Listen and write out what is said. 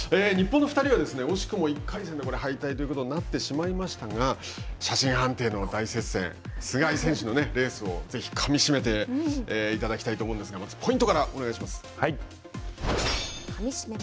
日本の２人は惜しくも１回戦で敗退ということになってしまいましたが写真判定の大接戦、須貝選手のレースをぜひかみしめていただきたいと思いますがまずポイントからお願いします。